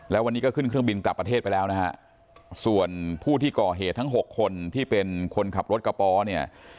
แล้ววันนี้ก็ขึ้นเครื่องบินกลับประเทศไปแล้วนะฮะส่วนผู้ที่ก่อเหตุทั้ง๖คนที่เป็นคนขับรถกระป๋อเนี่ย